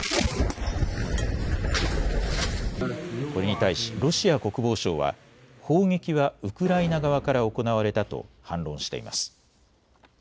これに対し、ロシア国防省は砲撃はウクライナ側から行われたと反論しています。